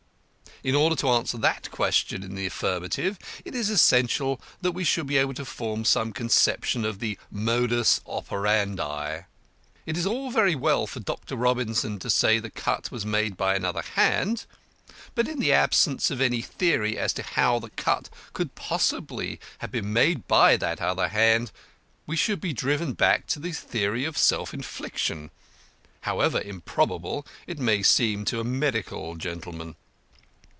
In order to answer that question in the affirmative it is essential that we should be able to form some conception of the modus operandi. It is all very well for Dr. Robinson to say the cut was made by another hand; but in the absence of any theory as to how the cut could possibly have been made by that other hand, we should be driven back to the theory of self infliction, however improbable it may seem to medical gentlemen.